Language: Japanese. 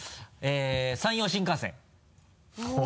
「山陽新幹線」おぉ！